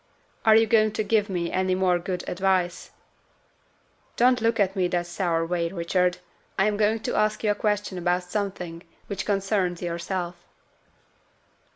"Are you going to give me any more good advice?" "Don't look at me in that sour way, Richard. I am going to ask you a question about something which concerns yourself."